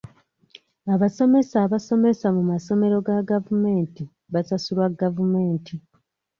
Abasomesa abasomesa mu masomero ga gavumenti basasulwa gavumenti.